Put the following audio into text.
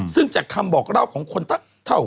ซึ่งจากคำบอกเล่าของคนเท่า